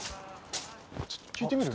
ちょっと聞いてみる？